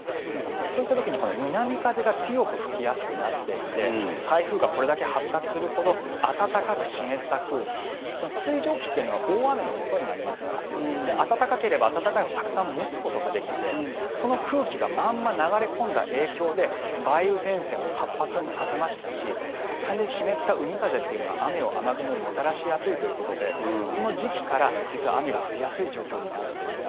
そういった時に南風が強く吹きやすくなっていて台風がこれだけ発達するほど暖かく湿った空気水蒸気というのは大雨のもとになりますから暖かければ暖かいほどたくさん持つことができてその空気がまんま流れ込んだ影響で梅雨前線も活発にさせましたし単純に湿った海風というのは雨を、雨雲をもたらしやすいということでこの時期から実は雨が降りやすい状況になってた。